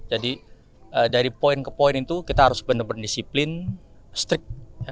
jadi dari poin ke poin itu kita harus benar benar disiplin strict